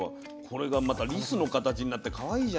これがまたリスの形になってかわいいじゃない。